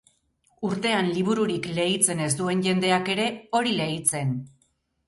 Urtean libururik leitzen ez duen jendeak ere, hori leitzen!